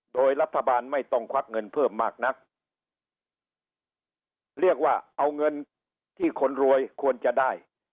โดยรัฐบาลไม่ต้องควักเงินเพิ่มมากนักเรียกว่าเอาเงินที่คนรวยควรจะได้